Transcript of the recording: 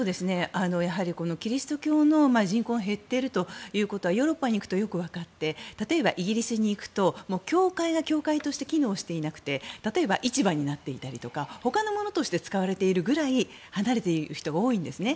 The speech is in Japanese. やはりこのキリスト教の人口が減っているということはヨーロッパに行くとよくわかって例えば、イギリスに行くと教会が教会として機能していなくて例えば市場になっていたりとかほかのものとして使われているくらい離れている人が多いんですね。